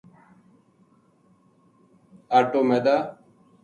اَٹو میدا